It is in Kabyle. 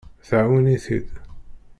Tɛawen-it-id.